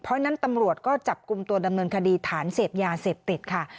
เพราะฉะนั้นตำรวจก็จับกลุ่มตัวดำเนินคดีฐานเสพยาเสพติดค่ะ